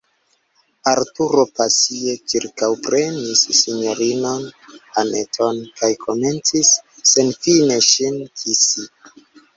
Arturo pasie ĉirkaŭprenis sinjorinon Anneton kaj komencis senfine ŝin kisi.